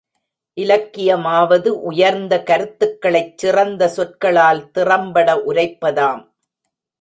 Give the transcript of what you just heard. இலக்கியமாவது உயர்ந்த கருத்துக்களைச் சிறந்த சொற்களால் திறம்பட உரைப்பதாம்.